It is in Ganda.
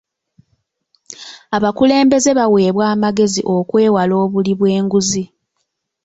Abakulembeze baweebwa amagezi okwewala obuli bw'enguzi.